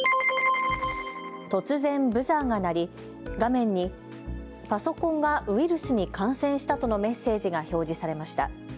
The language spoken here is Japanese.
突然ブザーが鳴り、画面にパソコンがウイルスに感染したとのメッセージが表示されました。